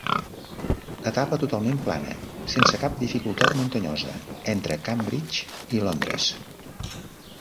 Etapa totalment plana, sense cap dificultat muntanyosa, entre Cambridge i Londres.